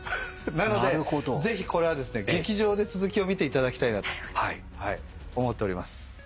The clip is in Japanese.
なのでぜひこれは劇場で続きを見ていただきたいなと思っております。